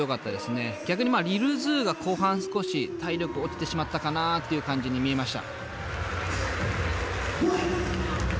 逆にＬｉｌＺｏｏが後半少し体力落ちてしまったかなっていう感じに見えました。